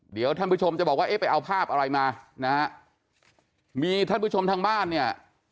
เดี๋ยวท่านผู้ชมจะบอกว่าเอ๊ะไปเอาภาพอะไรมานะฮะมีท่านผู้ชมทางบ้านเนี่ย